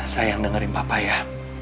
sayang dengerin papa ya